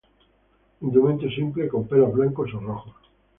Indumento simple, con pelos blancos o rojos.